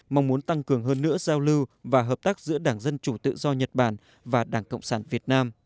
mong muốn tăng cường hơn nữa giao lưu và hợp tác giữa đảng dân chủ tự do nhật bản và đảng cộng sản việt nam